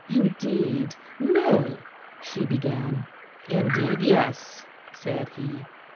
"Indeed, no " she began. "Indeed, yes," said he.